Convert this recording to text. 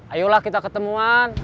ayolah kita ketemuan